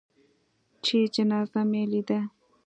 چې جنازه مې لېده.